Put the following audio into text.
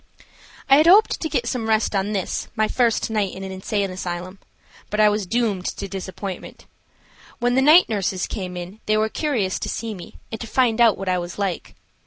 I had hoped to get some rest on this my first night in an insane asylum. But I was doomed to disappointment. When the night nurses came in they were curious to see me and to find out what I was like.